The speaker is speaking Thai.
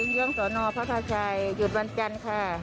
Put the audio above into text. ยื้องสวนอพระพระชายหยุดวันจันทร์ค่ะ